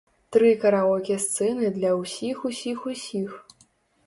Тры караоке-сцэны для ўсіх-усіх-усіх.